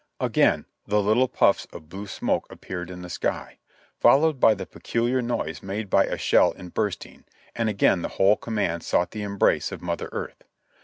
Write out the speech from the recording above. Again the little puffs of blue smoke ap 152 JOHNNY REB AND BILLY YANK peared in the sky, followed by the peculiar noise made by a shell in bursting, and again the whole command sought the embrace of Mother Earth.